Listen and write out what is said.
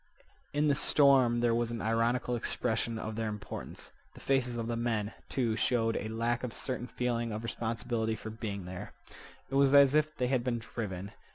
In the storm there was an ironical expression of their importance. The faces of the men, too, showed a lack of a certain feeling of responsibility for being there. It was as if they had been driven.